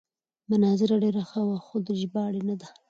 مناظره ډېره ښه وه خو د ژباړې نه ده.